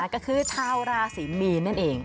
ก็คือชาวราศีมีนด้านนะเอง